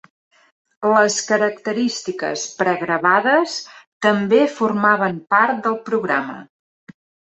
Les característiques pregravades també formaven part del programa.